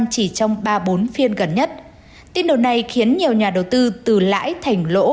chỉ trong ba bốn phiên gần nhất tin đồn này khiến nhiều nhà đầu tư từ lãi thành lỗ